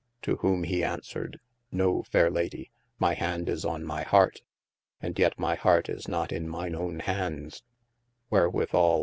To whome he aunswered, no 1/ fayre Lady, my hand is on my harte, and yet my hart is not I in myne owne hands : wherewithal!